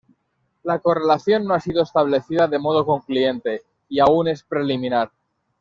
La correlación no ha sido establecida de modo concluyente y aún es preliminar.